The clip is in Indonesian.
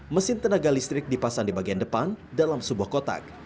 mesin tenaga listrik dipasang di bagian depan dalam sebuah kotak